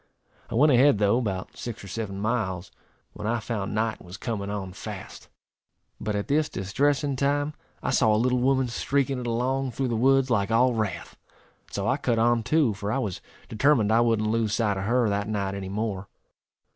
I went ahead, though, about six or seven miles, when I found night was coming on fast; but at this distressing time I saw a little woman streaking it along through the woods like all wrath, and so I cut on too, for I was determined I wouldn't lose sight of her that night any more.